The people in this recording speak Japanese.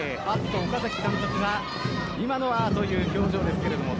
岡崎監督が今のはという表情ですが。